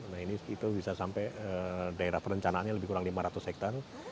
nah ini itu bisa sampai daerah perencanaannya lebih kurang lima ratus hektare